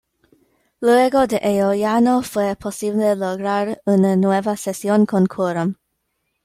Luego de ello ya no fue posible lograr una nueva sesión con quórum.